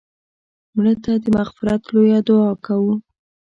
مړه ته د مغفرت لویه دعا کوو